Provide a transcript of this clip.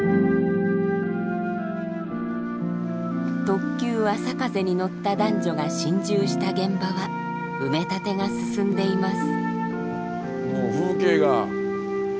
特急あさかぜに乗った男女が心中した現場は埋め立てが進んでいます。